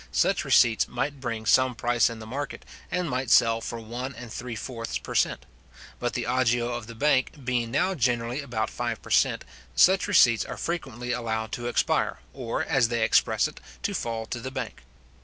such receipts might bring some price in the market, and might sell for one and three fourths per cent. But the agio of the bank being now generally about five per cent. such receipts are frequently allowed to expire, or, as they express it, to fall to the bank.